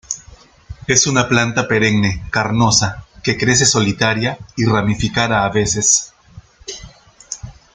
Es una planta perenne carnosa que crece solitaria y ramificada a veces.